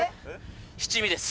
七味です。